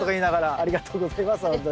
ありがとうございますほんとに。